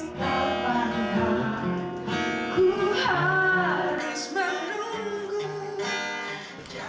ketika panjang ku harus menunggu